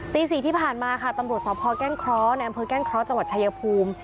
ตีสี่ที่ผ่านมาค่ะตำรวจหอพแก้งเคราะห์ในอำเมอร์แก้งเคราชจวัดชายภูมิ